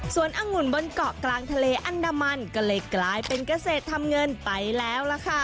ส่วนอังุ่นบนเกาะกลางทะเลอันดามันก็เลยกลายเป็นเกษตรทำเงินไปแล้วล่ะค่ะ